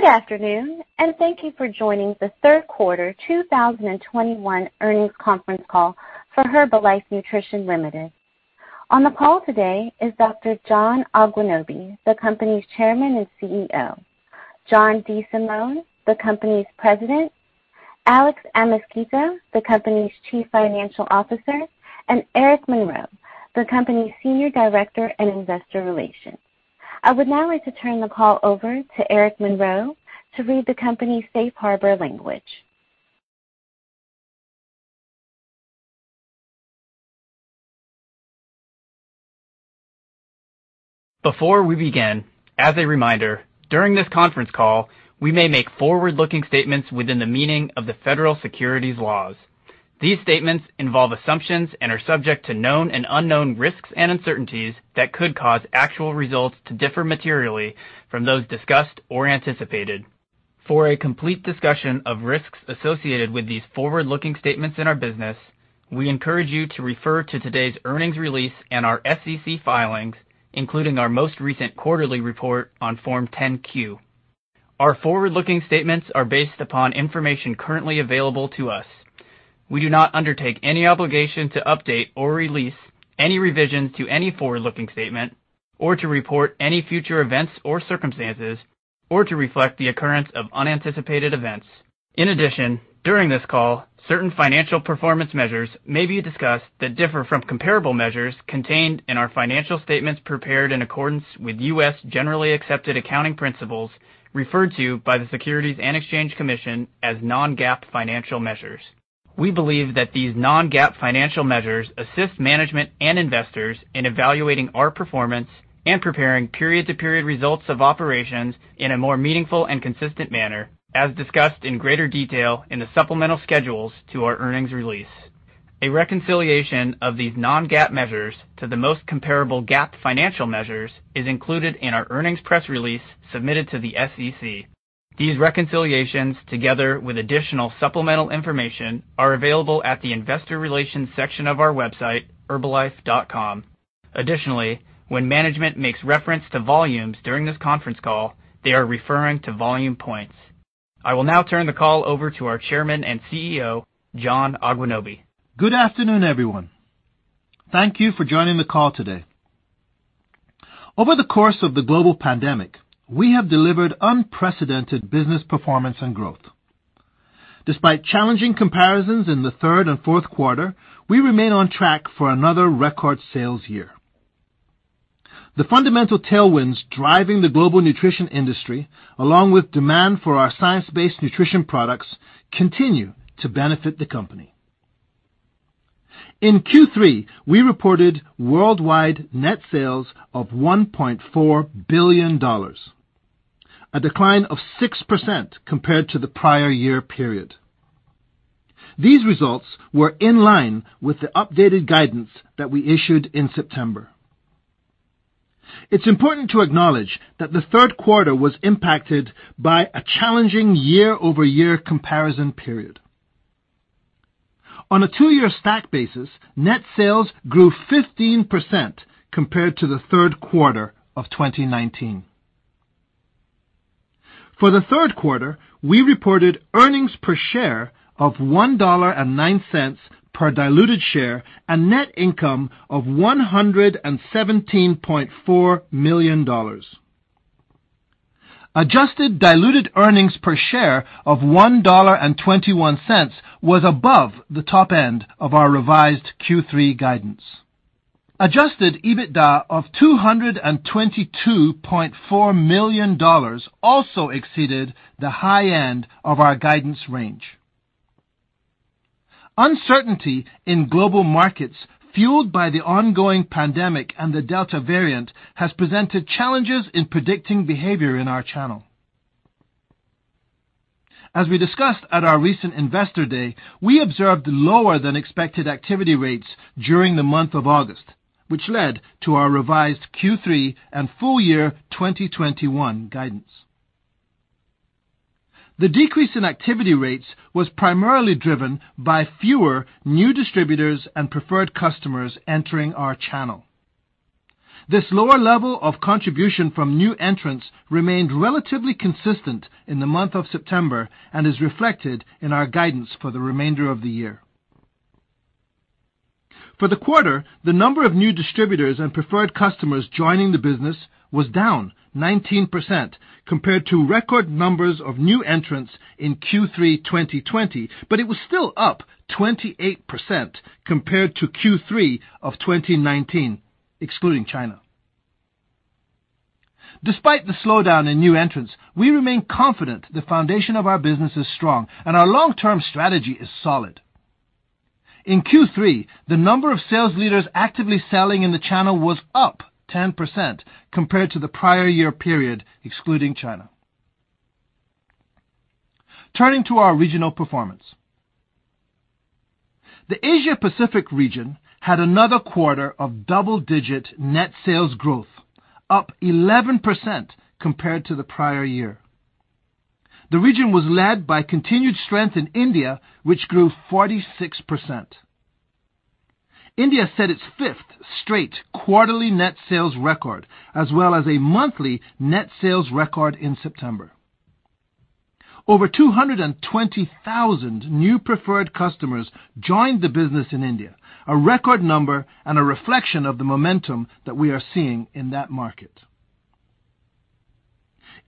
Good afternoon, and thank you for joining the Q3 2021 earnings conference call for Herbalife Nutrition Ltd. On the call today is Dr. John Agwunobi, the company's Chairman and Chief Executive Officer, John DeSimone, the company's President, Alex Amezquita, the company's Chief Financial Officer, and Eric Monroe, the company's Senior Director in Investor Relations. I would now like to turn the call over to Eric Monroe to read the company's safe harbor language. Before we begin, as a reminder, during this conference call, we may make forward-looking statements within the meaning of the federal securities laws. These statements involve assumptions and are subject to known and unknown risks and uncertainties that could cause actual results to differ materially from those discussed or anticipated. For a complete discussion of risks associated with these forward-looking statements in our business, we encourage you to refer to today's earnings release and our SEC filings, including our most recent quarterly report on Form 10-Q. Our forward-looking statements are based upon information currently available to us. We do not undertake any obligation to update or release any revisions to any forward-looking statement or to report any future events or circumstances or to reflect the occurrence of unanticipated events. In addition, during this call, certain financial performance measures may be discussed that differ from comparable measures contained in our financial statements prepared in accordance with U.S. generally accepted accounting principles referred to by the Securities and Exchange Commission as non-GAAP financial measures. We believe that these non-GAAP financial measures assist management and investors in evaluating our performance and preparing period-to-period results of operations in a more meaningful and consistent manner, as discussed in greater detail in the supplemental schedules to our earnings release. A reconciliation of these non-GAAP measures to the most comparable GAAP financial measures is included in our earnings press release submitted to the SEC. These reconciliations, together with additional supplemental information, are available at the investor relations section of our website, herbalife.com. Additionally, when management makes reference to volumes during this conference call, they are referring to volume points. I will now turn the call over to our Chairman and Chief Executive Officer, John Agwunobi. Good afternoon, everyone. Thank you for joining the call today. Over the course of the global pandemic, we have delivered unprecedented business performance and growth. Despite challenging comparisons in the third and fourth quarter, we remain on track for another record sales year. The fundamental tailwinds driving the global nutrition industry, along with demand for our science-based nutrition products, continue to benefit the company. In Q3, we reported worldwide net sales of $1.4 billion, a decline of 6% compared to the prior year period. These results were in line with the updated guidance that we issued in September. It's important to acknowledge that the third quarter was impacted by a challenging year-over-year comparison period. On a two-year stack basis, net sales grew 15% compared to the third quarter of 2019. For the third quarter, we reported earnings per share of $1.09 per diluted share, and net income of $117.4 million. Adjusted diluted earnings per share of $1.21 was above the top end of our revised Q3 guidance. Adjusted EBITDA of $222.4 million also exceeded the high end of our guidance range. Uncertainty in global markets, fueled by the ongoing pandemic and the Delta variant, has presented challenges in predicting behavior in our channel. We discussed at our recent Investor Day, we observed lower than expected activity rates during the month of August, which led to our revised Q3 and full year 2021 guidance. The decrease in activity rates was primarily driven by fewer new distributors and preferred customers entering our channel. This lower level of contribution from new entrants remained relatively consistent in the month of September and is reflected in our guidance for the remainder of the year. For the quarter, the number of new distributors and preferred customers joining the business was down 19% compared to record numbers of new entrants in Q3 2020, but it was still up 28% compared to Q3 of 2019, excluding China. Despite the slowdown in new entrants, we remain confident the foundation of our business is strong and our long-term strategy is solid. In Q3, the number of sales leaders actively selling in the channel was up 10% compared to the prior year period, excluding China. Turning to our regional performance. The Asia-Pacific region had another quarter of double-digit net sales growth, up 11% compared to the prior year. The region was led by continued strength in India, which grew 46%. India set its fifth straight quarterly net sales record, as well as a monthly net sales record in September. Over 220,000 new preferred customers joined the business in India, a record number and a reflection of the momentum that we are seeing in that market.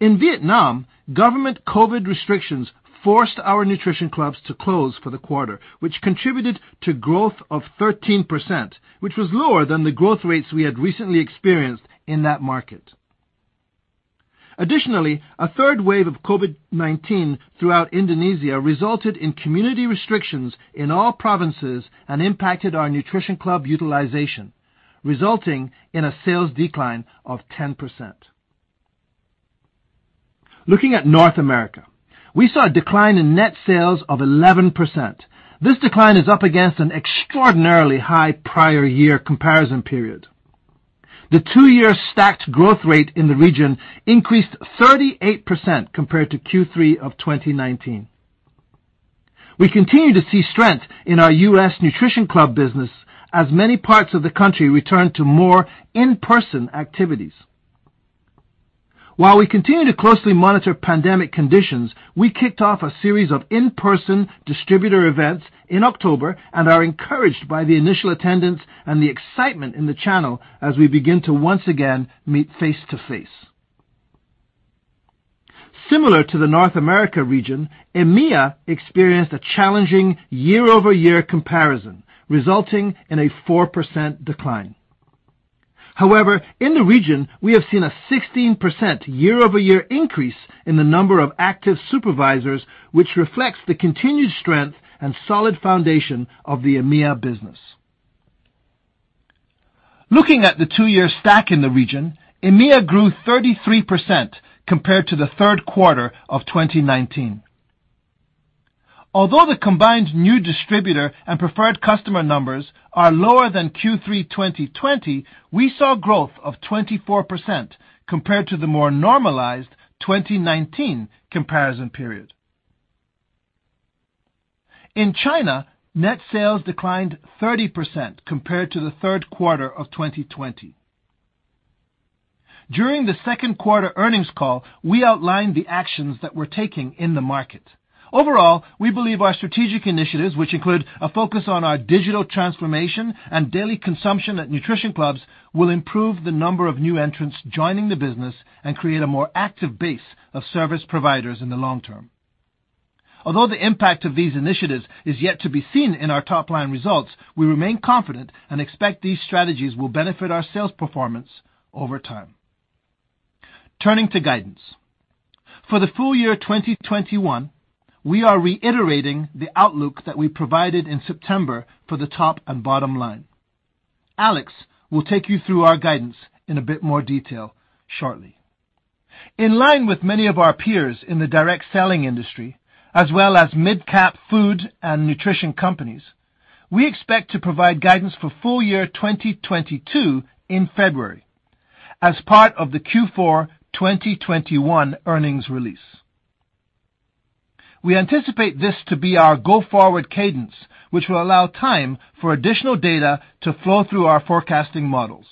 In Vietnam, government COVID restrictions forced our nutrition clubs to close for the quarter, which contributed to growth of 13%, which was lower than the growth rates we had recently experienced in that market. Additionally, a third wave of COVID-19 throughout Indonesia resulted in community restrictions in all provinces and impacted our nutrition club utilization, resulting in a sales decline of 10%. Looking at North America, we saw a decline in net sales of 11%. This decline is up against an extraordinarily high prior year comparison period. The two-year stacked growth rate in the region increased 38% compared to Q3 of 2019. We continue to see strength in our U.S. Nutrition Club business as many parts of the country return to more in-person activities. While we continue to closely monitor pandemic conditions, we kicked off a series of in-person distributor events in October and are encouraged by the initial attendance and the excitement in the channel as we begin to once again meet face-to-face. Similar to the North America region, EMEA experienced a challenging year-over-year comparison, resulting in a 4% decline. However, in the region, we have seen a 16% year-over-year increase in the number of active supervisors, which reflects the continued strength and solid foundation of the EMEA business. Looking at the two-year stack in the region, EMEA grew 33% compared to Q3 2019. Although the combined new distributor and preferred customer numbers are lower than Q3 2020, we saw growth of 24% compared to the more normalized 2019 comparison period. In China, net sales declined 30% compared to Q3 2020. During the Q2 earnings call, we outlined the actions that we're taking in the market. Overall, we believe our strategic initiatives, which include a focus on our digital transformation and daily consumption at nutrition clubs, will improve the number of new entrants joining the business and create a more active base of service providers in the long term. Although the impact of these initiatives is yet to be seen in our top-line results, we remain confident and expect these strategies will benefit our sales performance over time. Turning to guidance. For the full year 2021, we are reiterating the outlook that we provided in September for the top and bottom line. Alex will take you through our guidance in a bit more detail shortly. In line with many of our peers in the direct selling industry, as well as midcap food and nutrition companies, we expect to provide guidance for full year 2022 in February as part of the Q4 2021 earnings release. We anticipate this to be our go-forward cadence, which will allow time for additional data to flow through our forecasting models.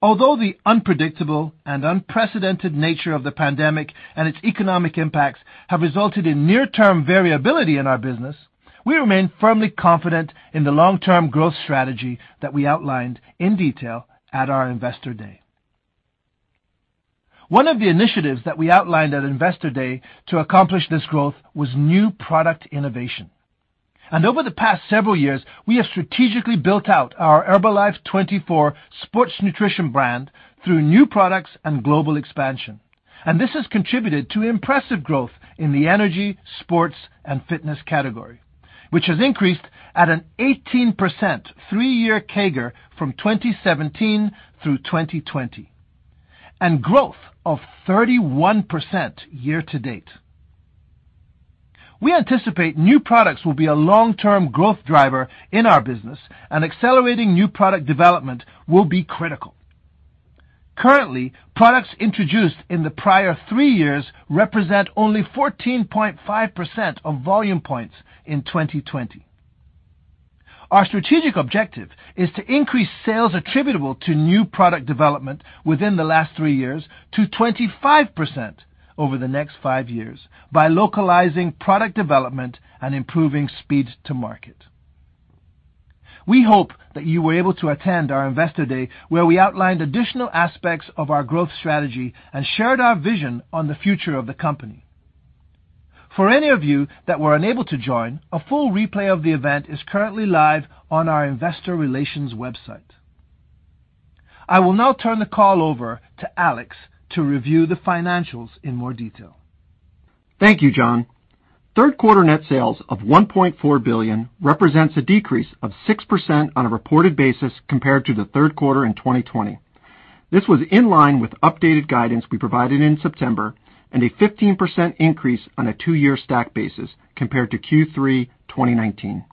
Although the unpredictable and unprecedented nature of the pandemic and its economic impacts have resulted in near-term variability in our business, we remain firmly confident in the long-term growth strategy that we outlined in detail at our Investor Day. One of the initiatives that we outlined at Investor Day to accomplish this growth was new product innovation. Over the past several years, we have strategically built out our Herbalife24 sports nutrition brand through new products and global expansion. This has contributed to impressive growth in the energy, sports, and fitness category, which has increased at an 18% three-year CAGR from 2017 through 2020, and growth of 31% year-to-date. We anticipate new products will be a long-term growth driver in our business, and accelerating new product development will be critical. Currently, products introduced in the prior three years represent only 14.5% of Volume Points in 2020. Our strategic objective is to increase sales attributable to new product development within the last three years to 25% over the next five years by localizing product development and improving speed to market. We hope that you were able to attend our Investor Day, where we outlined additional aspects of our growth strategy and shared our vision on the future of the company. For any of you that were unable to join, a full replay of the event is currently live on our investor relations website. I will now turn the call over to Alex to review the financials in more detail. Thank you, John. Third quarter net sales of $1.4 billion represents a decrease of 6% on a reported basis compared to the third quarter in 2020. This was in line with updated guidance we provided in September and a 15% increase on a two-year stack basis compared to Q3 2019.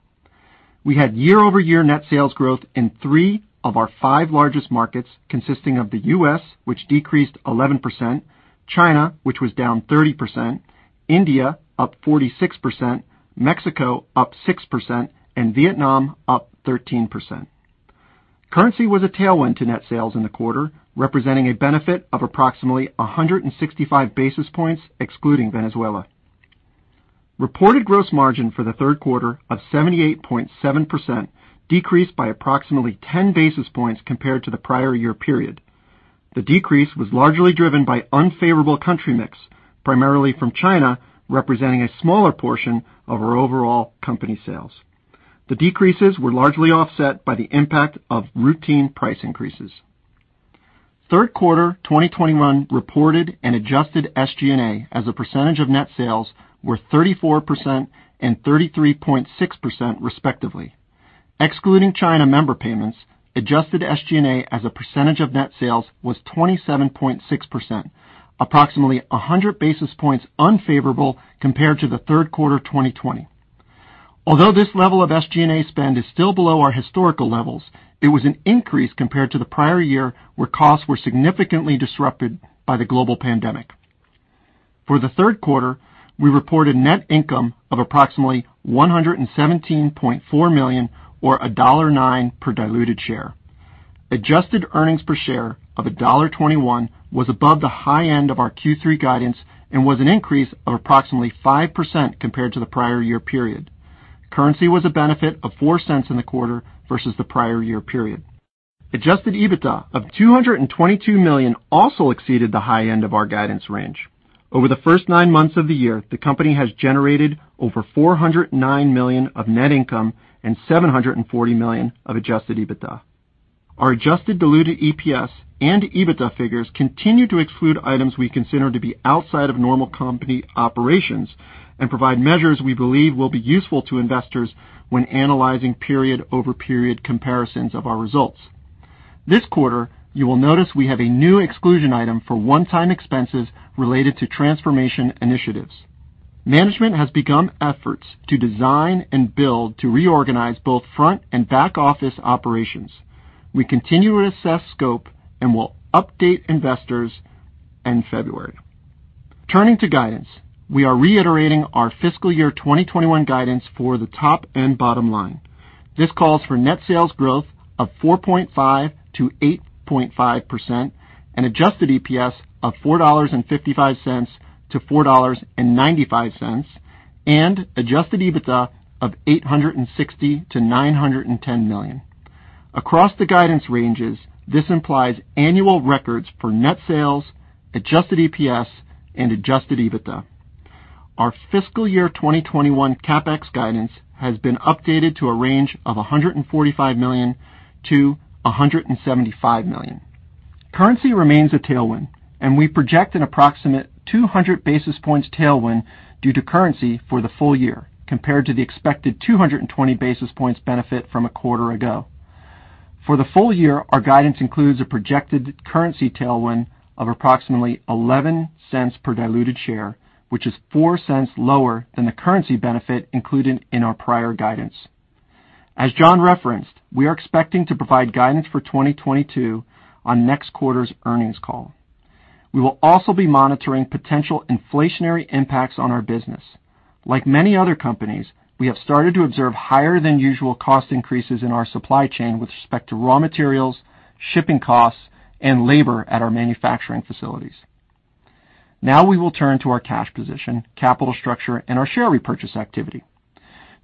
We had year-over-year net sales growth in three of our five largest markets, consisting of the U.S., which decreased 11%, China, which was down 30%, India up 46%, Mexico up 6%, and Vietnam up 13%. Currency was a tailwind to net sales in the quarter, representing a benefit of approximately 165 basis points excluding Venezuela. Reported gross margin for the third quarter of 78.7% decreased by approximately 10 basis points compared to the prior year period. The decrease was largely driven by unfavorable country mix, primarily from China, representing a smaller portion of our overall company sales. The decreases were largely offset by the impact of routine price increases. Third quarter 2021 reported and adjusted SG&A as a percentage of net sales were 34% and 33.6% respectively. Excluding China member payments, adjusted SG&A as a percentage of net sales was 27.6%, approximately 100 basis points unfavorable compared to the third quarter 2020. Although this level of SG&A spend is still below our historical levels, it was an increase compared to the prior year, where costs were significantly disrupted by the global pandemic. For the third quarter, we reported net income of approximately $117.4 million or $0.09 per diluted share. Adjusted earnings per share of $1.21 was above the high end of our Q3 guidance and was an increase of approximately 5% compared to the prior year period. Currency was a benefit of $0.04 in the quarter versus the prior year period. Adjusted EBITDA of $222 million also exceeded the high end of our guidance range. Over the first nine months of the year, the company has generated over $409 million of net income and $740 million of adjusted EBITDA. Our adjusted diluted EPS and EBITDA figures continue to exclude items we consider to be outside of normal company operations and provide measures we believe will be useful to investors when analyzing period-over-period comparisons of our results. This quarter, you will notice we have a new exclusion item for one-time expenses related to transformation initiatives. Management has begun efforts to design and build to reorganize both front and back-office operations. We continue to assess scope and will update investors in February. Turning to guidance, we are reiterating our fiscal year 2021 guidance for the top and bottom line. This calls for net sales growth of 4.5%-8.5%, an adjusted EPS of $4.55-$4.95, and adjusted EBITDA of $860 million-$910 million. Across the guidance ranges, this implies annual records for net sales, adjusted EPS, and adjusted EBITDA. Our fiscal year 2021 CapEx guidance has been updated to a range of $145 million-$175 million. Currency remains a tailwind, and we project an approximate 200 basis points tailwind due to currency for the full year compared to the expected 220 basis points benefit from a quarter ago. For the full year, our guidance includes a projected currency tailwind of approximately $0.11 per diluted share, which is $0.04 lower than the currency benefit included in our prior guidance. As John referenced, we are expecting to provide guidance for 2022 on next quarter's earnings call. We will also be monitoring potential inflationary impacts on our business. Like many other companies, we have started to observe higher than usual cost increases in our supply chain with respect to raw materials, shipping costs, and labor at our manufacturing facilities. Now we will turn to our cash position, capital structure, and our share repurchase activity.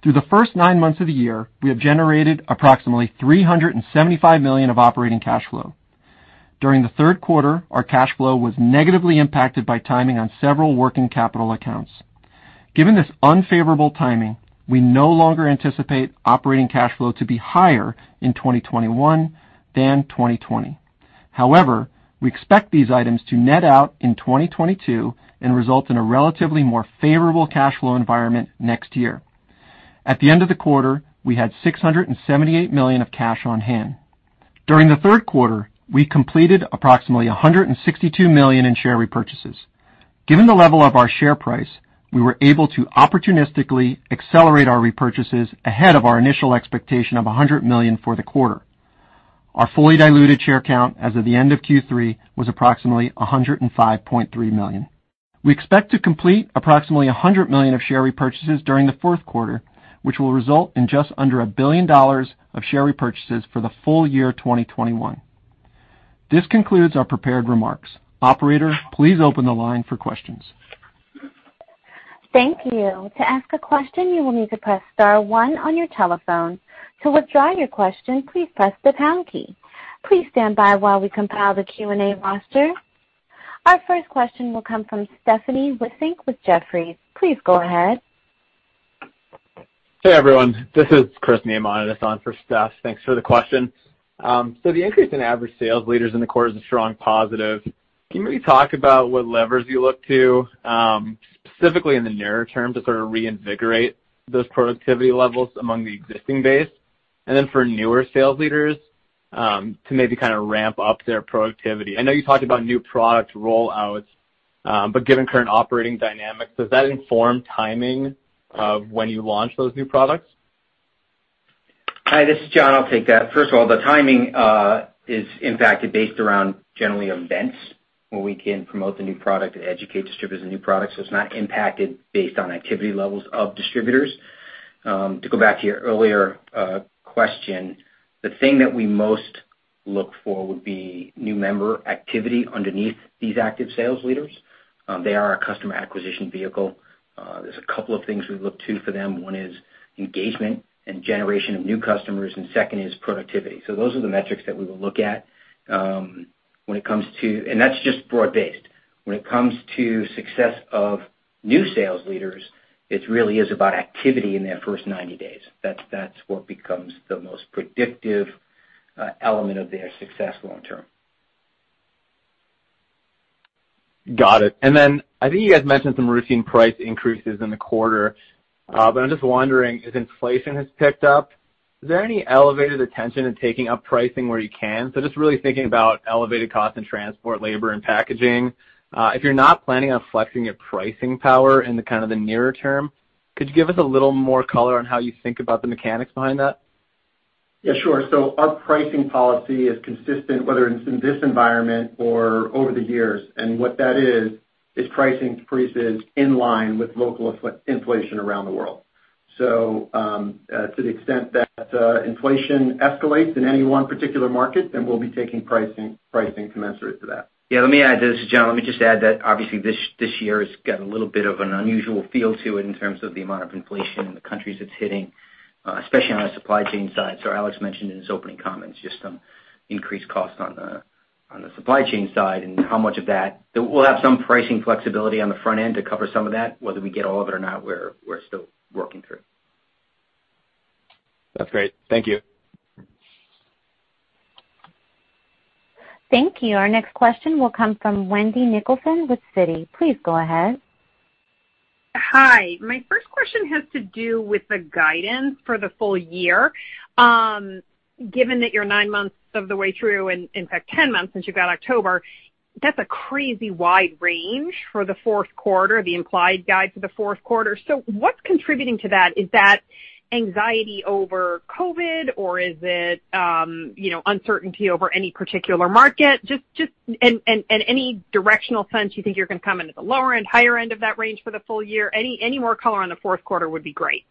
Through the first nine months of the year, we have generated approximately $375 million of operating cash flow. During the third quarter, our cash flow was negatively impacted by timing on several working capital accounts. Given this unfavorable timing, we no longer anticipate operating cash flow to be higher in 2021 than 2020. However, we expect these items to net out in 2022 and result in a relatively more favorable cash flow environment next year. At the end of the quarter, we had $678 million of cash on hand. During the third quarter, we completed approximately $162 million in share repurchases. Given the level of our share price, we were able to opportunistically accelerate our repurchases ahead of our initial expectation of $100 million for the quarter. Our fully diluted share count as of the end of Q3 was approximately 105.3 million. We expect to complete approximately $100 million of share repurchases during the fourth quarter, which will result in just under $1 billion of share repurchases for the full year 2021. This concludes our prepared remarks. Operator, please open the line for questions. Thank you. To ask a question, you will need to press star one on your telephone. To withdraw your question, please press the pound key. Please stand by while we compile the Q&A roster. Our first question will come from Stephanie Wissink with Jefferies, please go ahead. Hey, everyone. This is Chris Neamonitis on for Stephanie. Thanks for the question. So the increase in average sales leaders in the quarter is a strong positive. Can you maybe talk about what levers you look to, specifically in the nearer term to sort of reinvigorate those productivity levels among the existing base, and then for newer sales leaders, to maybe kind of ramp up their productivity? I know you talked about new product rollouts, but given current operating dynamics, does that inform timing of when you launch those new products? Hi, this is John. I'll take that. First of all, the timing is in fact based around generally events where we can promote the new product and educate distributors on new products, so it's not impacted based on activity levels of distributors. To go back to your earlier question, the thing that we most look for would be new member activity underneath these active sales leaders. They are a customer acquisition vehicle. There's a couple of things we look to for them. One is engagement and generation of new customers, and second is productivity. Those are the metrics that we will look at, and that's just broad-based. When it comes to success of new sales leaders, it really is about activity in their first 90 days. That's what becomes the most predictive element of their success long term. Got it. Then I think you guys mentioned some routine price increases in the quarter. I'm just wondering, as inflation has picked up, is there any elevated attention in taking up pricing where you can? Just really thinking about elevated cost in transport, labor, and packaging, if you're not planning on flexing your pricing power in the kind of the nearer term, could you give us a little more color on how you think about the mechanics behind that? Yeah, sure. Our pricing policy is consistent, whether it's in this environment or over the years. What that is pricing increases in line with local inflation around the world. To the extent that inflation escalates in any one particular market, then we'll be taking pricing commensurate to that. Yeah, let me add to this, John. Let me just add that obviously this year has got a little bit of an unusual feel to it in terms of the amount of inflation in the countries it's hitting, especially on the supply chain side. Alex mentioned in his opening comments just some increased costs on the supply chain side and how much of that we'll have some pricing flexibility on the front end to cover some of that. Whether we get all of it or not, we're still working through. That's great. Thank you. Thank you. Our next question will come from Wendy Nicholson with Citi, please go ahead. Hi. My first question has to do with the guidance for the full year. Given that you're nine months of the way through, and in fact 10 months since you've got October, that's a crazy wide range for the fourth quarter, the implied guide for the fourth quarter. What's contributing to that? Is that anxiety over COVID or is it, you know, uncertainty over any particular market? Just any directional sense you think you're gonna come into the lower end, higher end of that range for the full year? Any more color on the fourth quarter would be great.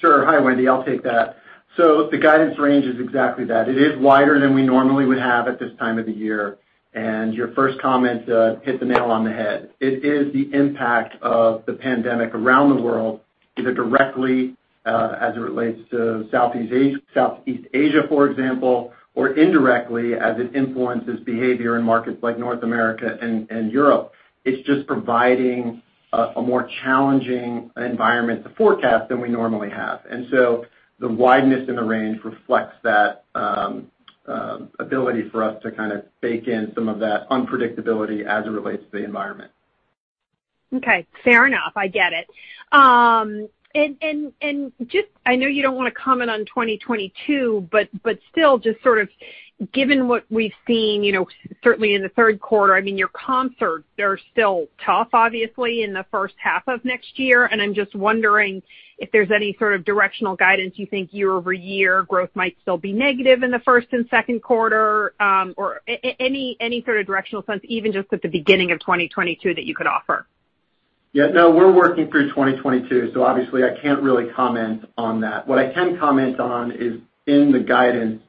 Sure. Hi, Wendy, I'll take that. The guidance range is exactly that. It is wider than we normally would have at this time of the year. Your first comment hit the nail on the head. It is the impact of the pandemic around the world, either directly, as it relates to Southeast Asia, for example, or indirectly as it influences behavior in markets like North America and Europe. It's just providing a more challenging environment to forecast than we normally have. The wideness in the range reflects that ability for us to kind of bake in some of that unpredictability as it relates to the environment. Okay, fair enough. I get it. I know you don't wanna comment on 2022, but still just sort of given what we've seen, you know, certainly in the third quarter, I mean, your comps are still tough, obviously, in the first half of next year. I'm just wondering if there's any sort of directional guidance you think year-over-year growth might still be negative in the first and second quarter, or any sort of directional sense, even just at the beginning of 2022 that you could offer. Yeah, no, we're working through 2022, so obviously I can't really comment on that. What I can comment on is in the guidance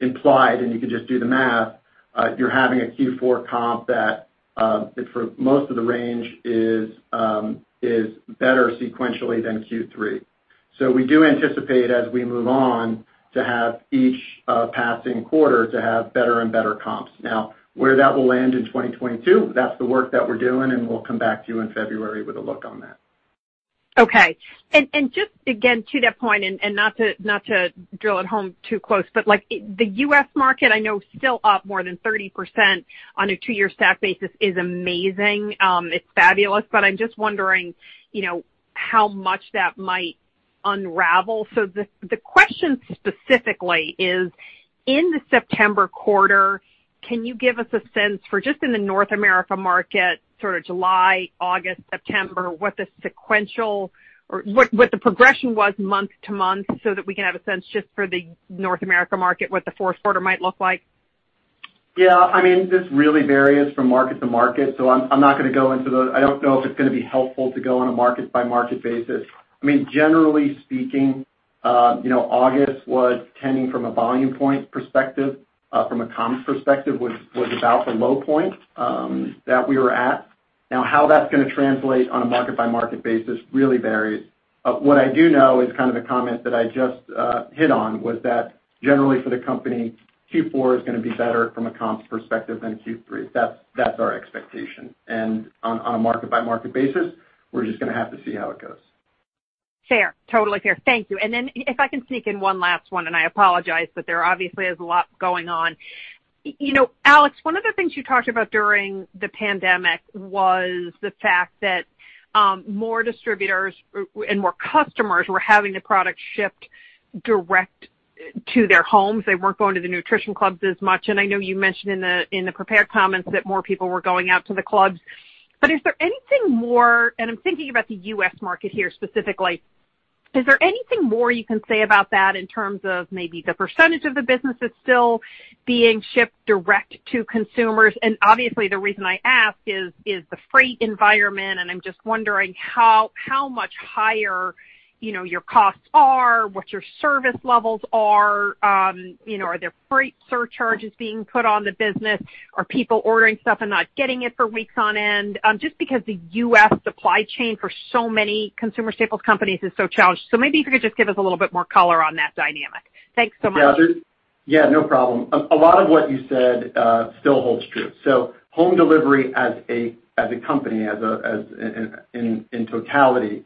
implied, and you can just do the math, you're having a Q4 comp that, for most of the range is better sequentially than Q3. We do anticipate as we move on to have each passing quarter to have better and better comps. Now, where that will land in 2022, that's the work that we're doing, and we'll come back to you in February with a look on that. Okay. Just again to that point and not to drill it home too close, but like the U.S. market I know still up more than 30% on a two-year stack basis is amazing. It's fabulous, but I'm just wondering, you know, how much that might unravel. The question specifically is in the September quarter, can you give us a sense for just in the North America market, sort of July, August, September, what the sequential or what the progression was month to month so that we can have a sense just for the North America market what the fourth quarter might look like? Yeah. I mean, this really varies from market to market, so I'm not gonna go into. I don't know if it's gonna be helpful to go on a market by market basis. I mean, generally speaking, you know, August was trending from a volume point perspective, from a comps perspective was about the low point that we were at. Now how that's gonna translate on a market by market basis really varies. What I do know is kind of the comment that I just hit on was that generally for the company, Q4 is gonna be better from a comps perspective than Q3. That's our expectation. On a market by market basis, we're just gonna have to see how it goes. Fair. Totally fair. Thank you. Then if I can sneak in one last one, I apologize, but there obviously is a lot going on. You know, Alex, one of the things you talked about during the pandemic was the fact that more distributors and more customers were having the product shipped direct to their homes. They weren't going to the nutrition clubs as much. I know you mentioned in the prepared comments that more people were going out to the clubs. Is there anything more, and I'm thinking about the U.S. market here specifically, is there anything more you can say about that in terms of maybe the percentage of the business that's still being shipped direct to consumers? Obviously, the reason I ask is the freight environment, and I'm just wondering how much higher, you know, your costs are, what your service levels are. You know, are there freight surcharges being put on the business? Are people ordering stuff and not getting it for weeks on end? Just because the U.S. supply chain for so many consumer staples companies is so challenged. Maybe if you could just give us a little bit more color on that dynamic. Thanks so much. Yeah. No problem. A lot of what you said still holds true. Home delivery as a company, in totality,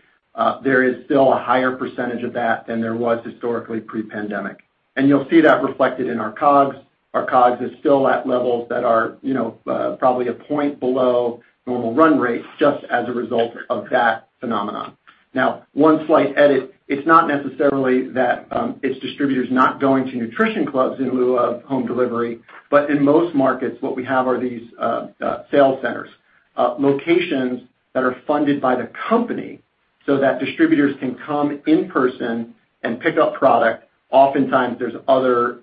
there is still a higher percentage of that than there was historically pre-pandemic. You'll see that reflected in our COGS. Our COGS is still at levels that are, you know, probably a point below normal run rate just as a result of that phenomenon. Now, one slight edit, it's not necessarily that it's distributors not going to nutrition clubs in lieu of home delivery. In most markets, what we have are these sales centers, locations that are funded by the company so that distributors can come in person and pick up product. Oftentimes there's other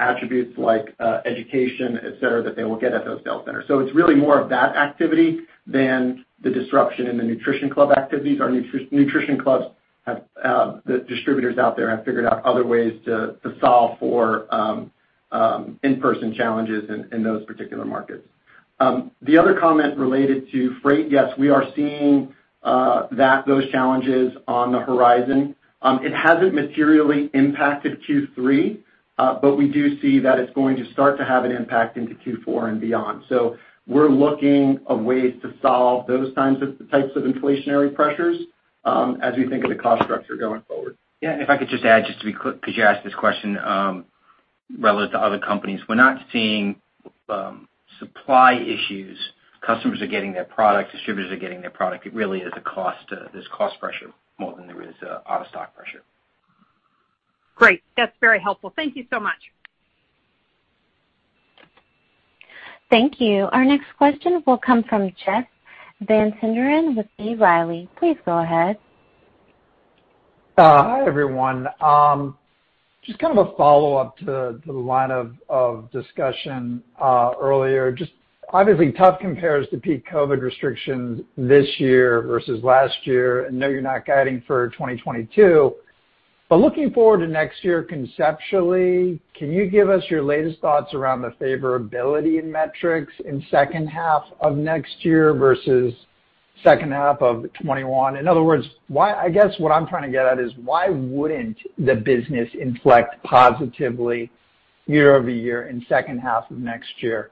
attributes like education, et cetera, that they will get at those sales centers. It's really more of that activity than the disruption in the nutrition club activities. Our nutrition clubs have the distributors out there figured out other ways to solve for in-person challenges in those particular markets. The other comment related to freight, yes, we are seeing those challenges on the horizon. It hasn't materially impacted Q3, but we do see that it's going to start to have an impact into Q4 and beyond. We're looking for ways to solve those kinds of inflationary pressures as we think of the cost structure going forward. If I could just add to be clear, because you asked this question, relative to other companies. We're not seeing supply issues. Customers are getting their products, distributors are getting their product. It really is a cost, there's cost pressure more than there is out of stock pressure. Great. That's very helpful. Thank you so much. Thank you. Our next question will come from Jeff Van Sinderen with B. Riley, please go ahead. Hi, everyone. Just kind of a follow-up to the line of discussion earlier. Just obviously tough compares to peak COVID restrictions this year versus last year. I know you're not guiding for 2022. Looking forward to next year conceptually, can you give us your latest thoughts around the favorability in metrics in second half of next year versus second half of 2021? In other words, I guess what I'm trying to get at is why wouldn't the business inflect positively year-over-year in second half of next year?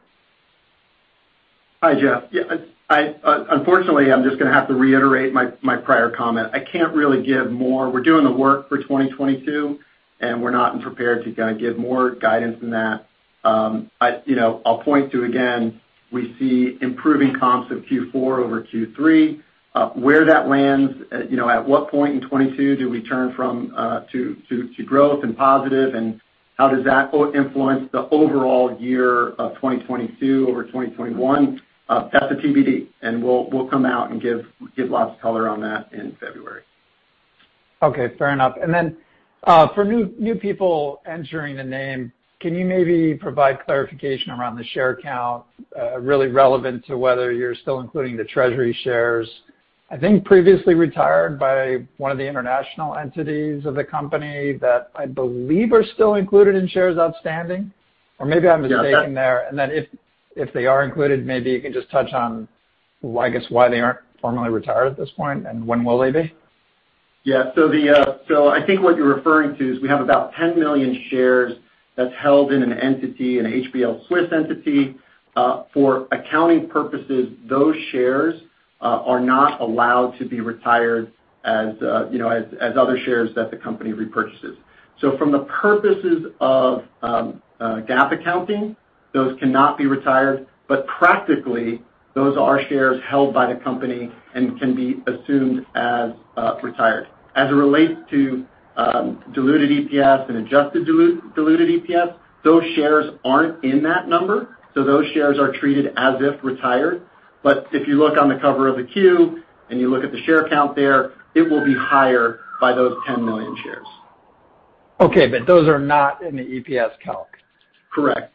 Hi, Jeff. Yeah, unfortunately, I'm just gonna have to reiterate my prior comment. I can't really give more. We're doing the work for 2022, and we're not prepared to kinda give more guidance than that. You know, I'll point to again, we see improving comps of Q4 over Q3. Where that lands, you know, at what point in 2022 do we turn from to growth and positive, and how does that, quote, "influence" the overall year of 2022 over 2021? That's a TBD, and we'll come out and give lots of color on that in February. Okay. Fair enough. For new people entering the name, can you maybe provide clarification around the share count, really relevant to whether you're still including the treasury shares, I think previously retired by one of the international entities of the company that I believe are still included in shares outstanding? Or maybe I'm mistaken there. If they are included, maybe you can just touch on, I guess, why they aren't formally retired at this point, and when will they be? I think what you're referring to is we have about 10 million shares that's held in an entity, an HBL Swiss entity. For accounting purposes, those shares are not allowed to be retired as you know, as other shares that the company repurchases. From the purposes of GAAP accounting, those cannot be retired. But practically, those are shares held by the company and can be assumed as retired. As it relates to diluted EPS and adjusted diluted EPS, those shares aren't in that number, so those shares are treated as if retired. But if you look on the cover of the Q, and you look at the share count there, it will be higher by those 10 million shares. Okay, those are not in the EPS calc? Correct.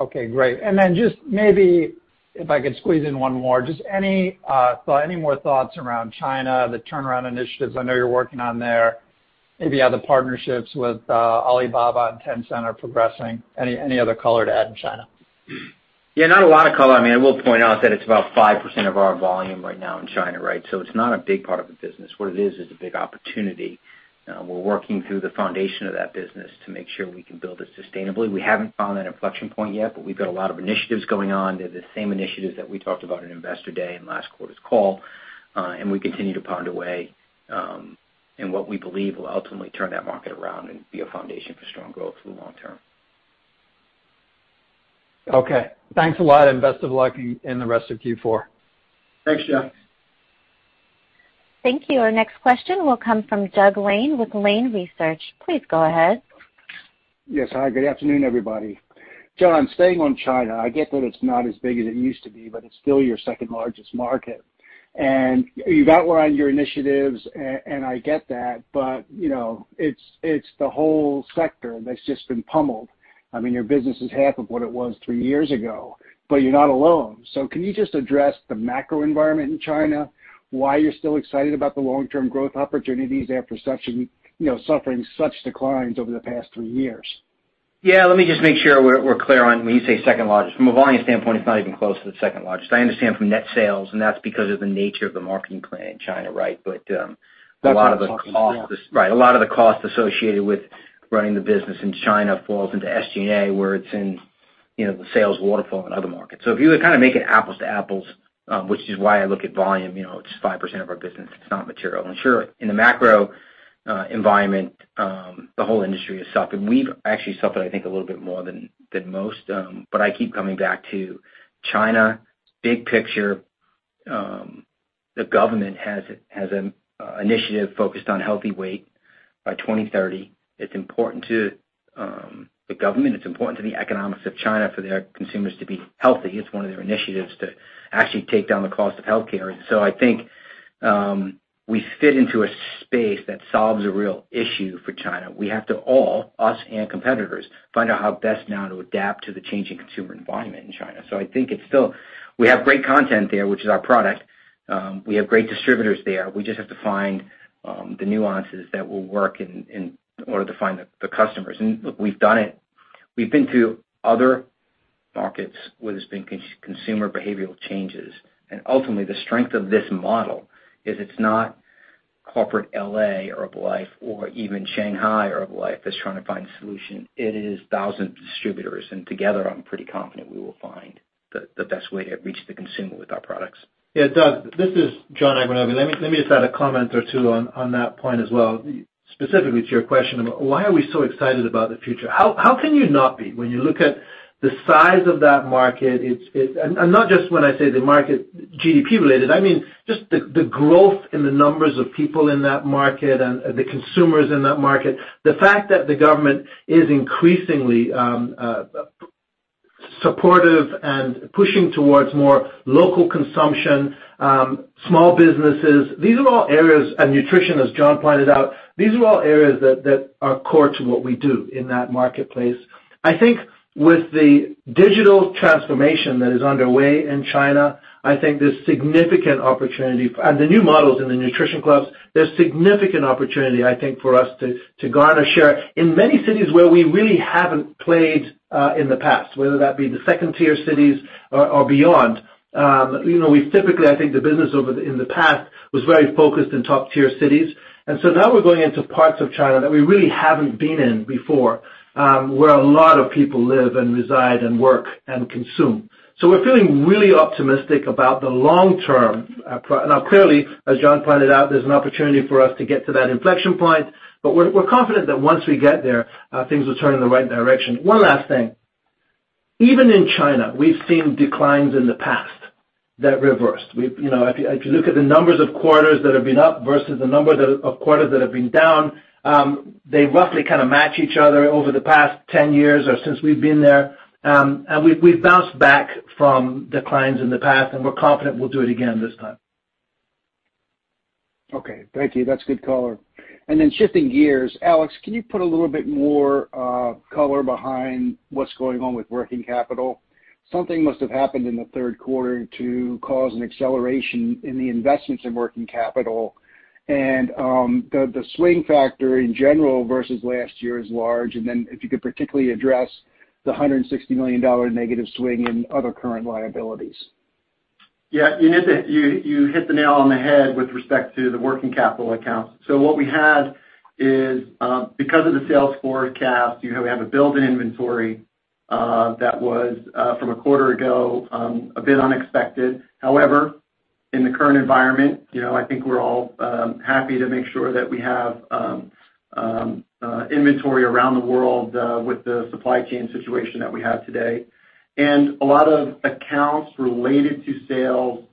Okay, great. Then just maybe if I could squeeze in one more, just any thought, any more thoughts around China, the turnaround initiatives I know you're working on there. Maybe how the partnerships with Alibaba and Tencent are progressing. Any other color to add in China? Yeah, not a lot of color. I mean, I will point out that it's about 5% of our volume right now in China, right? So it's not a big part of the business. What it is is a big opportunity. We're working through the foundation of that business to make sure we can build it sustainably. We haven't found that inflection point yet, but we've got a lot of initiatives going on. They're the same initiatives that we talked about at Investor Day and last quarter's call, and we continue to pound away, in what we believe will ultimately turn that market around and be a foundation for strong growth for the long term. Okay. Thanks a lot, and best of luck in the rest of Q4. Thanks, Jeff. Thank you. Our next question will come from Doug Lane with Lane Research, please go ahead. Yes. Hi, good afternoon, everybody. John, staying on China, I get that it's not as big as it used to be, but it's still your second-largest market. You've outlined your initiatives, and I get that, but, you know, it's the whole sector that's just been pummeled. I mean, your business is half of what it was three years ago, but you're not alone. Can you just address the macro environment in China, why you're still excited about the long-term growth opportunities after such, you know, suffering such declines over the past three years? Yeah. Let me just make sure we're clear on when you say second largest. From a volume standpoint, it's not even close to the second largest. I understand from net sales, and that's because of the nature of the marketing plan in China, right? A lot of the costs. That's what I'm talking about. Right. A lot of the costs associated with running the business in China fall into SG&A, where it's in, you know, the sales waterfall in other markets. If you were kind of make it apples to apples, which is why I look at volume, you know, it's 5% of our business. It's not material. Sure, in the macro environment, the whole industry has suffered. We've actually suffered, I think, a little bit more than most. I keep coming back to China, big picture, the government has an initiative focused on healthy weight by 2030. It's important to the government. It's important to the economics of China for their consumers to be healthy. It's one of their initiatives to actually take down the cost of healthcare. I think, we fit into a space that solves a real issue for China. We have to all, us and competitors, find out how best now to adapt to the changing consumer environment in China. I think it's still. We have great content there, which is our product. We have great distributors there. We just have to find the nuances that will work in order to find the customers. Look, we've done it. We've been to other markets where there's been consumer behavioral changes. Ultimately, the strength of this model is it's not corporate L.A. Herbalife or even Shanghai Herbalife that's trying to find a solution. It is thousands of distributors, and together I'm pretty confident we will find the best way to reach the consumer with our products. Yeah. Doug, this is John Agwunobi. Let me just add a comment or two on that point as well, specifically to your question about why are we so excited about the future. How can you not be when you look at the size of that market? It's not just when I say the market GDP related. I mean just the growth in the numbers of people in that market and the consumers in that market. The fact that the government is increasingly supportive and pushing towards more local consumption, small businesses. These are all areas and nutrition, as John pointed out, these are all areas that are core to what we do in that marketplace. I think with the digital transformation that is underway in China, I think there's significant opportunity. The new models in the nutrition clubs, there's significant opportunity, I think, for us to garner share in many cities where we really haven't played in the past, whether that be the second-tier cities or beyond. You know, we've typically, I think the business in the past was very focused in top-tier cities. Now we're going into parts of China that we really haven't been in before, where a lot of people live and reside and work and consume. We're feeling really optimistic about the long term. Now clearly, as John pointed out, there's an opportunity for us to get to that inflection point, but we're confident that once we get there, things will turn in the right direction. One last thing. Even in China, we've seen declines in the past that reversed. We've, you know, if you look at the numbers of quarters that have been up versus the number of quarters that have been down. They roughly kind of match each other over the past 10 years or since we've been there. We've bounced back from declines in the past, and we're confident we'll do it again this time. Okay. Thank you. That's good color. Then shifting gears. Alex, can you put a little bit more color behind what's going on with working capital? Something must have happened in the third quarter to cause an acceleration in the investments in working capital. The swing factor in general versus last year is large. Then if you could particularly address the $160 million negative swing in other current liabilities. Yeah, you hit the nail on the head with respect to the working capital accounts. What we had is, because of the sales forecast, you know, we have a build in inventory that was, from a quarter ago, a bit unexpected. However, in the current environment, you know, I think we're all happy to make sure that we have inventory around the world, with the supply chain situation that we have today. A lot of accounts related to sales,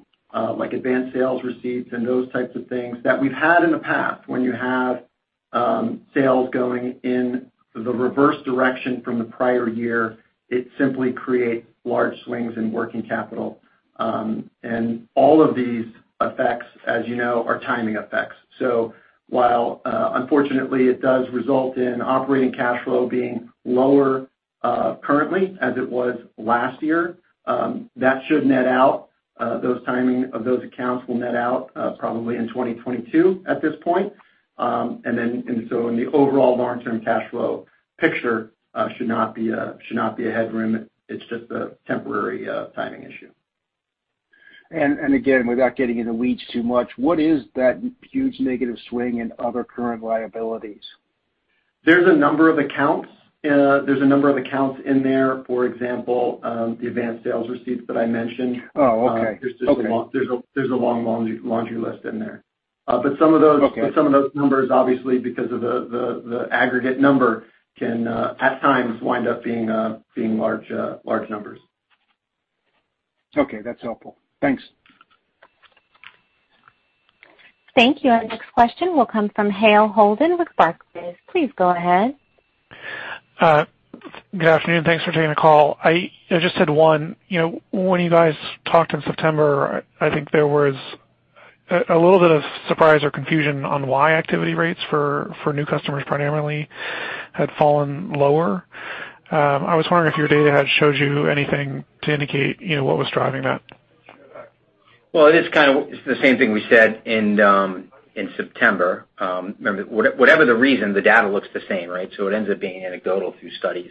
like advanced sales receipts and those types of things that we've had in the past when you have sales going in the reverse direction from the prior year, it simply creates large swings in working capital. All of these effects, as you know, are timing effects. While unfortunately it does result in operating cash flow being lower currently, as it was last year, that should net out. The timing of those accounts will net out probably in 2022 at this point. In the overall long-term cash flow picture, it should not be a headwind. It's just a temporary timing issue. Again, without getting into the weeds too much, what is that huge negative swing in other current liabilities? There's a number of accounts in there, for example, the advanced sales receipts that I mentioned. Oh, okay. Okay. There's just a long laundry list in there, but some of those. Okay. Some of those numbers, obviously, because of the aggregate number can at times wind up being large numbers. Okay, that's helpful. Thanks. Thank you. Our next question will come from Hale Holden with Barclays, please go ahead. Good afternoon. Thanks for taking the call. I just had one. You know, when you guys talked in September, I think there was a little bit of surprise or confusion on why activity rates for new customers primarily had fallen lower. I was wondering if your data has showed you anything to indicate, you know, what was driving that. Well, it is kind of it's the same thing we said in September. Remember, whatever the reason, the data looks the same, right? It ends up being anecdotal through studies.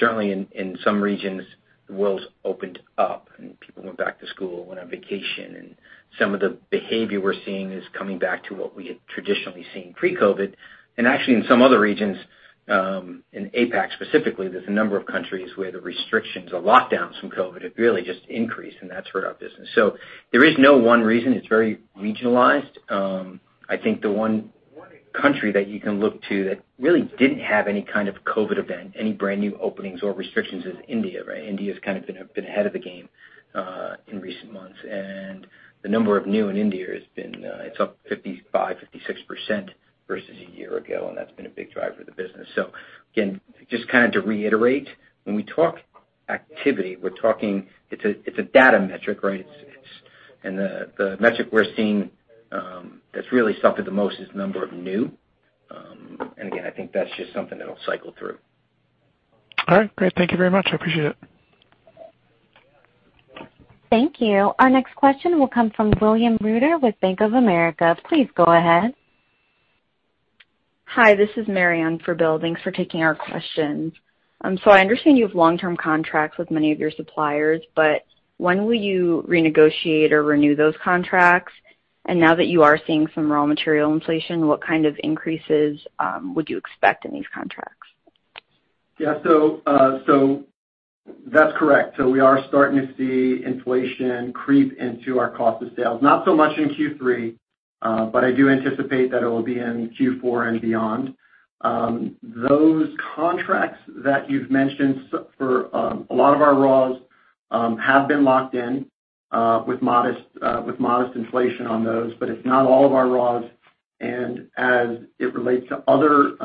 Certainly in some regions, the world's opened up, and people went back to school, went on vacation, and some of the behavior we're seeing is coming back to what we had traditionally seen pre-COVID. Actually, in some other regions, in APAC specifically, there's a number of countries where the restrictions or lockdowns from COVID have really just increased, and that's hurt our business. There is no one reason. It's very regionalized. I think the one country that you can look to that really didn't have any kind of COVID event, any brand new openings or restrictions is India, right? India has kind of been ahead of the game in recent months. The number of new in India has been up 55-56% versus a year ago, and that's been a big driver for the business. Again, just kind of to reiterate, when we talk activity, we're talking it's a data metric, right? The metric we're seeing that's really suffered the most is number of new. I think that's just something that'll cycle through. All right. Great. Thank you very much. I appreciate it. Thank you. Our next question will come from William Reuter with Bank of America, please go ahead. Hi, this is Marianne for Will. Thanks for taking our questions. I understand you have long-term contracts with many of your suppliers, but when will you renegotiate or renew those contracts? Now that you are seeing some raw material inflation, what kind of increases would you expect in these contracts? Yeah. That's correct. We are starting to see inflation creep into our cost of sales, not so much in Q3, but I do anticipate that it will be in Q4 and beyond. Those contracts that you've mentioned for a lot of our raws have been locked in with modest inflation on those, but it's not all of our raws. As it relates to other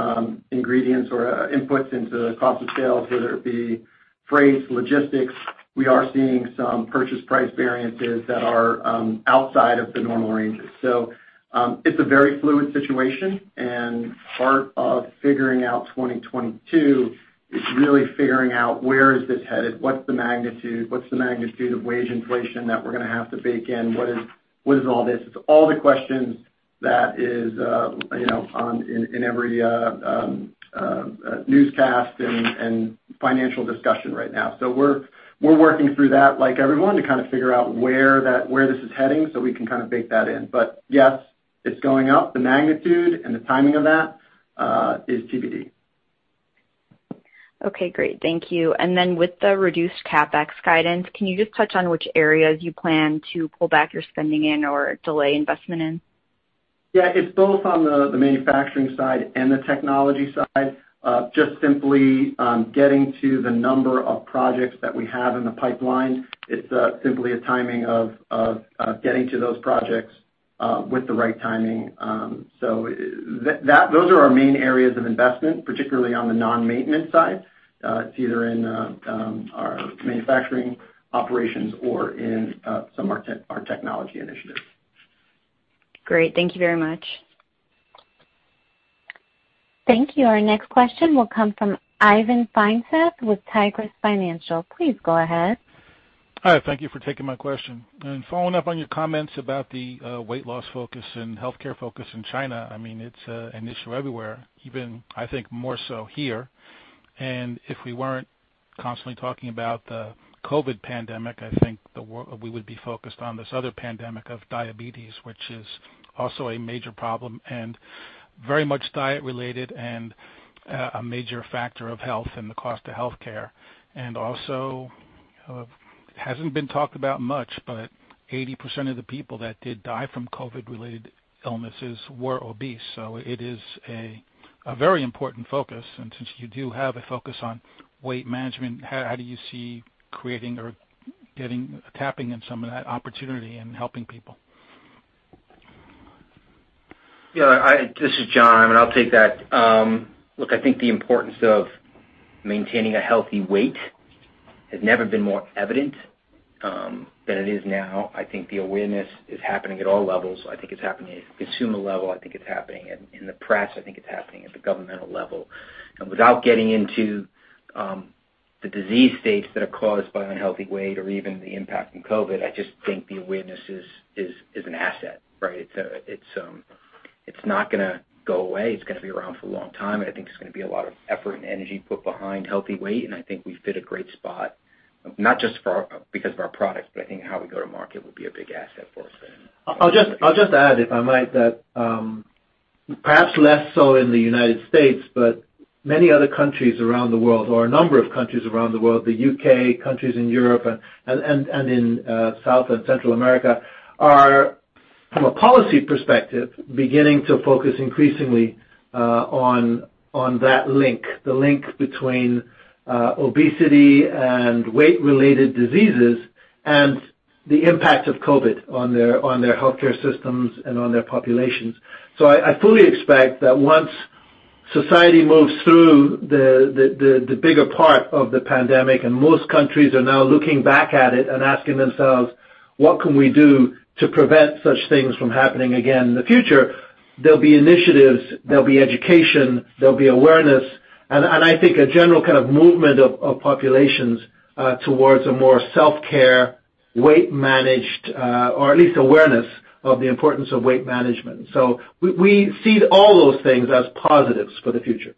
ingredients or inputs into cost of sales, whether it be freight, logistics, we are seeing some purchase price variances that are outside of the normal ranges. It's a very fluid situation, and part of figuring out 2022 is really figuring out where is this headed? What's the magnitude of wage inflation that we're gonna have to bake in? What is all this? It's all the questions that is, you know, on in every newscast and financial discussion right now. We're working through that like everyone to kind of figure out where this is heading, so we can kind of bake that in. Yes, it's going up. The magnitude and the timing of that is TBD. Okay, great. Thank you. With the reduced CapEx guidance, can you just touch on which areas you plan to pull back your spending in or delay investment in? Yeah. It's both on the manufacturing side and the technology side, just simply getting to the number of projects that we have in the pipeline. It's simply a timing of getting to those projects with the right timing. Those are our main areas of investment, particularly on the non-maintenance side. It's either in our manufacturing operations or in some of our technology initiatives. Great. Thank you very much. Thank you. Our next question will come from Ivan Feinseth with Tigress Financial Partners, please go ahead. Hi, thank you for taking my question. Following up on your comments about the weight loss focus and healthcare focus in China, I mean, it's an issue everywhere, even I think more so here. If we weren't constantly talking about the COVID pandemic, I think we would be focused on this other pandemic of diabetes, which is also a major problem and very much diet related and a major factor of health and the cost of healthcare. Also, hasn't been talked about much, but 80% of the people that did die from COVID-related illnesses were obese. It is a very important focus. Since you do have a focus on weight management, how do you see creating or getting tapping in some of that opportunity and helping people? Yeah. This is John, and I'll take that. Look, I think the importance of maintaining a healthy weight has never been more evident than it is now. I think the awareness is happening at all levels. I think it's happening at consumer level. I think it's happening in the press. I think it's happening at the governmental level. Without getting into the disease states that are caused by unhealthy weight or even the impact from COVID, I just think the awareness is an asset, right? It's not gonna go away. It's gonna be around for a long time, and I think there's gonna be a lot of effort and energy put behind healthy weight, and I think we fit a great spot, not just because of our products, but I think how we go to market will be a big asset for us. I'll just add, if I might, that perhaps less so in the U.S., but many other countries around the world, or a number of countries around the world, the U.K., countries in Europe and in South and Central America are- A policy perspective beginning to focus increasingly on that link, the link between obesity and weight-related diseases and the impact of COVID on their healthcare systems and on their populations. I fully expect that once society moves through the bigger part of the pandemic, and most countries are now looking back at it and asking themselves: What can we do to prevent such things from happening again in the future? There'll be initiatives, there'll be education, there'll be awareness, and I think a general kind of movement of populations towards a more self-care, weight managed, or at least awareness of the importance of weight management. We see all those things as positives for the future.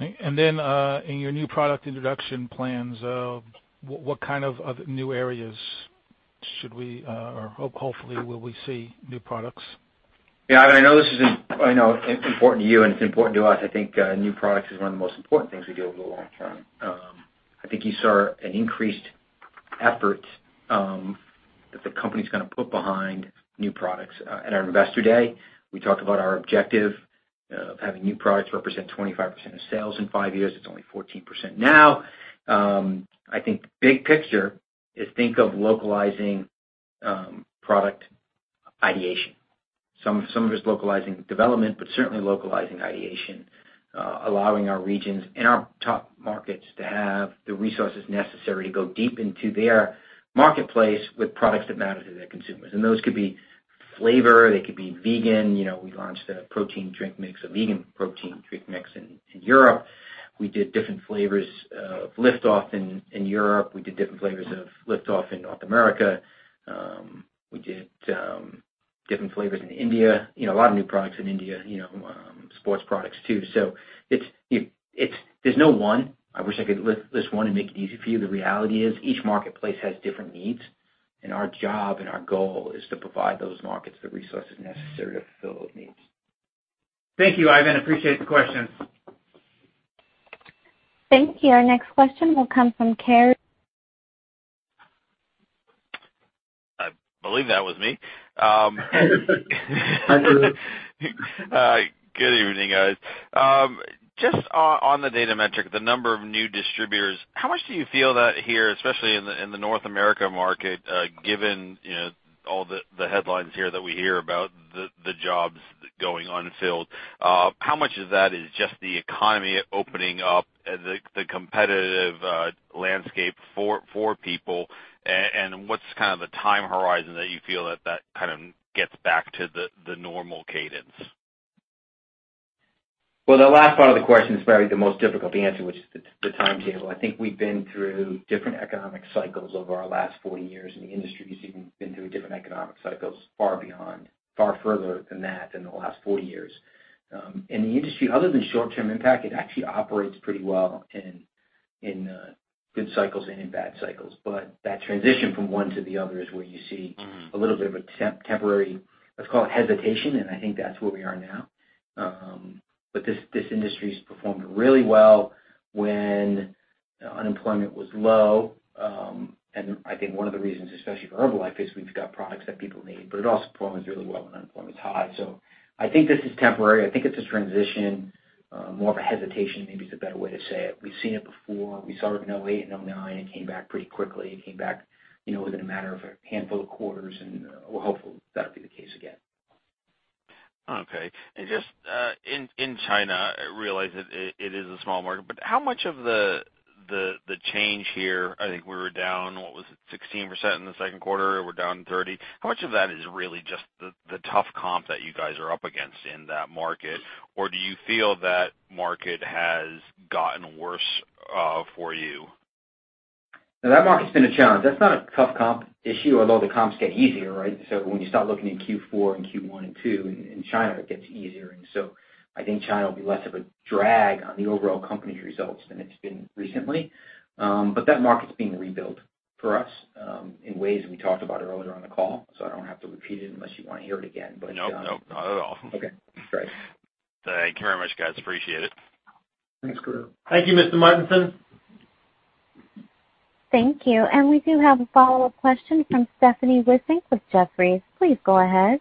In your new product introduction plans, what kind of other new areas should we or hopefully will we see new products? I know it's important to you, and it's important to us. I think new products is one of the most important things we do over the long term. I think you saw an increased effort that the company's gonna put behind new products. At our Investor Day, we talked about our objective of having new products represent 25% of sales in five years. It's only 14% now. I think big picture is think of localizing product ideation. Some of it's localizing development, but certainly localizing ideation, allowing our regions and our top markets to have the resources necessary to go deep into their marketplace with products that matter to their consumers. Those could be flavor, they could be vegan. You know, we launched a Protein Drink Mix Vegan in Europe. We did different flavors of Liftoff in Europe. We did different flavors of Liftoff in North America. We did different flavors in India. You know, a lot of new products in India, you know, sports products too. So it's. There's no one. I wish I could lift this one and make it easy for you. The reality is each marketplace has different needs, and our job and our goal is to provide those markets the resources necessary to fulfill those needs. Thank you, Ivan. I appreciate the question. Thank you. Our next question will come from Carey. I believe that was me. Good evening, guys. Just on the data metric, the number of new distributors, how much do you feel that here, especially in the North America market, given, you know, all the headlines here that we hear about the jobs going unfilled, how much of that is just the economy opening up the competitive landscape for people? And what's kind of the time horizon that you feel that that kind of gets back to the normal cadence? Well, the last part of the question is probably the most difficult to answer, which is the timetable. I think we've been through different economic cycles over our last 40 years, and the industry has even been through different economic cycles far beyond, far further than that in the last 40 years. The industry, other than short-term impact, it actually operates pretty well in good cycles and in bad cycles. That transition from one to the other is where you see- Mm-hmm. A little bit of a temporary, let's call it hesitation, and I think that's where we are now. This industry's performed really well when unemployment was low. I think one of the reasons, especially for Herbalife, is we've got products that people need, but it also performs really well when unemployment's high. I think this is temporary. I think it's a transition, more of a hesitation, maybe it's a better way to say it. We've seen it before. We saw it in 2008 and 2009. It came back pretty quickly. It came back, you know, within a matter of a handful of quarters, and we're hopeful that'll be the case again. Okay. Just in China, I realize it is a small market, but how much of the change here, I think we were down, what was it, 16% in the second quarter, we're down 30%. How much of that is really just the tough comp that you guys are up against in that market? Or do you feel that market has gotten worse for you? No, that market's been a challenge. That's not a tough comp issue, although the comps get easier, right? When you start looking in Q4 and Q1 and Q2 in China, it gets easier. I think China will be less of a drag on the overall company's results than it's been recently. But that market's being rebuilt for us, in ways we talked about earlier on the call, so I don't have to repeat it unless you wanna hear it again, but Nope, not at all. Okay, great. Thank you very much, guys. Appreciate it. Thanks, Karru Martinson. Thank you, Mr. Amezquita. Thank you. We do have a follow-up question from Stephanie Wissink with Jefferies, please go ahead.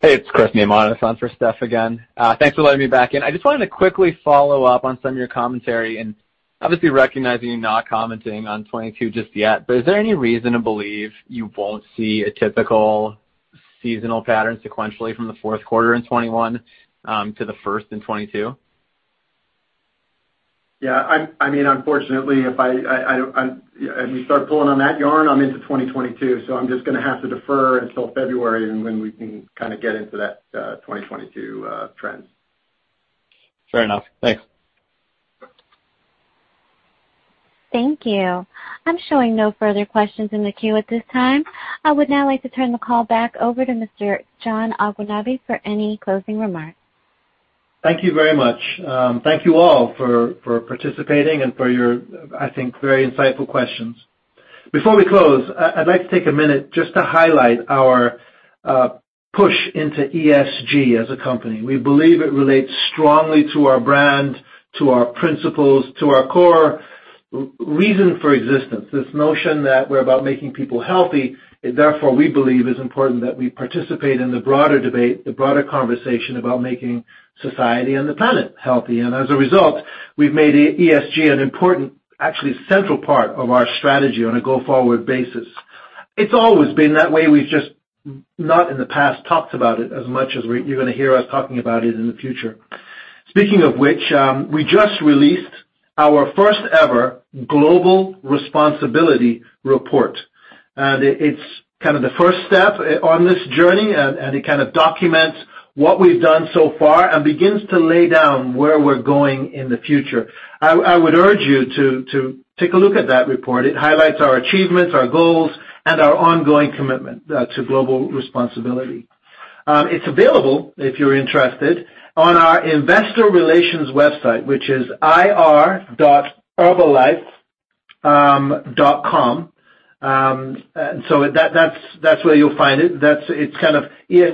Hey, it's Chris Neumann on the phone for Steph again. Thanks for letting me back in. I just wanted to quickly follow up on some of your commentary and obviously recognizing you're not commenting on 2022 just yet. Is there any reason to believe you won't see a typical seasonal pattern sequentially from the fourth quarter in 2021 to the first in 2022? Yeah, I mean, unfortunately, if you start pulling on that yarn, I'm into 2022, so I'm just gonna have to defer until February, when we can kinda get into that 2022 trends. Fair enough. Thanks. Thank you. I'm showing no further questions in the queue at this time. I would now like to turn the call back over to Mr. John Agwunobi for any closing remarks. Thank you very much. Thank you all for participating and for your, I think, very insightful questions. Before we close, I'd like to take a minute just to highlight our push into ESG as a company. We believe it relates strongly to our brand, to our principles, to our core reason for existence. This notion that we're about making people healthy, and therefore we believe is important that we participate in the broader debate, the broader conversation about making society and the planet healthy. As a result, we've made ESG an important, actually central part of our strategy on a go-forward basis. It's always been that way. We've just not in the past talked about it as much as you're gonna hear us talking about it in the future. Speaking of which, we just released our first ever Global Responsibility Report. It's kind of the first step on this journey, and it kind of documents what we've done so far and begins to lay down where we're going in the future. I would urge you to take a look at that report. It highlights our achievements, our goals, and our ongoing commitment to global responsibility. It's available, if you're interested, on our investor relations website, which is ir.herbalife.com. That's where you'll find it.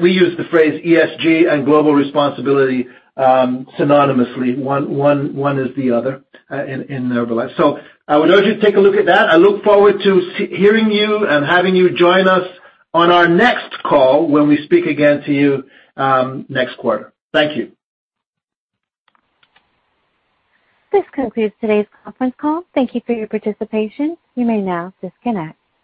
We use the phrase ESG and global responsibility synonymously. One is the other in Herbalife. I would urge you to take a look at that. I look forward to hearing you and having you join us on our next call when we speak again to you next quarter. Thank you. This concludes today's conference call. Thank you for your participation, you may now disconnect.